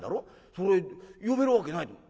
それ呼べるわけないと思う。